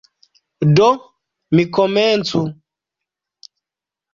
Do, mi komencu!